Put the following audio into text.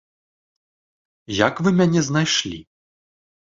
Як вы мяне знайшлі?